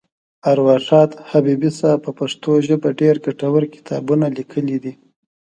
اروا ښاد حبیبي صاحب په پښتو ژبه ډېر ګټور کتابونه لیکلي دي.